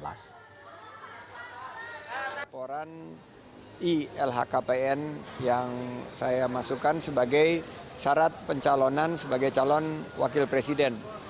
laporan i lhkpn yang saya masukkan sebagai syarat pencalonan sebagai calon wakil presiden